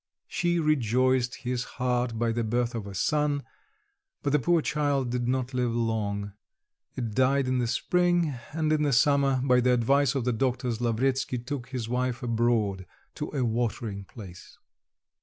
She rejoiced his heart by the birth of a son, but the poor child did not live long; it died in the spring, and in the summer, by the advice of the doctors, Lavretsky took his wife abroad to a watering place.